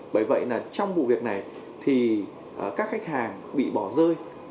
bởi vậy là trong vụ việc này thì các khách hàng bị bỏ rơi